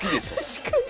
確かに。